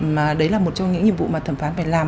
mà đấy là một trong những nhiệm vụ mà thẩm phán phải làm